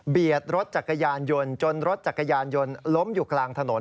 รถจักรยานยนต์จนรถจักรยานยนต์ล้มอยู่กลางถนน